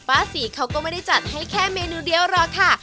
ป้าศรีเขาก็ไม่ได้จัดให้แค่เมนูเดียวหรอกค่ะ